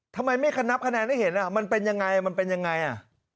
ทำไมไม่ขนับคะแนนให้เห็นมันเป็นยังไงมันเป็นยังไงอ่ะ